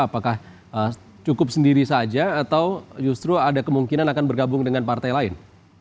apakah cukup sendiri saja atau justru ada kemungkinan akan bergabung dengan partai lain